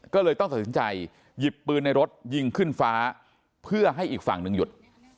ก็เลยต้องตัดสินใจหยิบปืนในรถยิงขึ้นฟ้าเพื่อให้อีกฝั่งหนึ่งหยุด